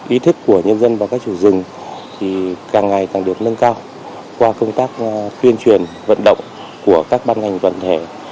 ý thức của nhân dân và các chủ rừng càng ngày càng được nâng cao qua công tác tuyên truyền vận động của các ban ngành toàn thể